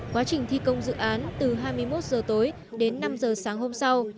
quá trình thi công dự án từ hai mươi một h tối đến năm h sáng hôm sau